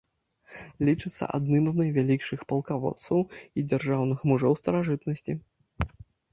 Лічыцца адным з найвялікшых палкаводцаў і дзяржаўных мужоў старажытнасці.